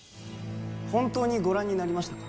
本当にご覧になりましたか？